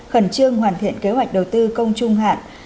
khẩn trương hoàn thiện kế hoạch đầu tư công trung hạn